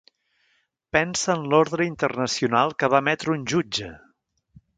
Pensa en l'ordre internacional que va emetre un jutge.